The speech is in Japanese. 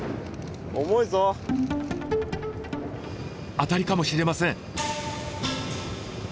アタリかもしれません。